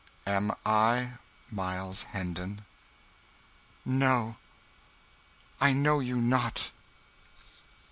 Am I Miles Hendon?" "No. I know you not."